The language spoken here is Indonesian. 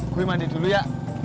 gue mandi dulu ya